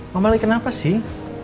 mamah lagi kenapa sih